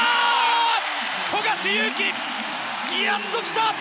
富樫勇樹、やっと来た！